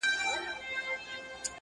آسمانه اوس خو اهریمن د قهر-